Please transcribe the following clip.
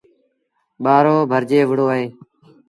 ٻآرو ڀرجي وُهڙو اهي